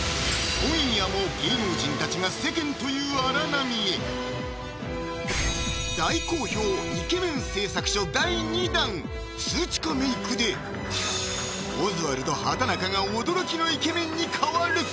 今夜も芸能人たちが世間という荒波へ数値化メイクで「オズワルド」・畠中が驚きのイケメンに変わる！